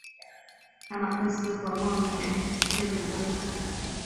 海马克斯和梦魇病毒的出处！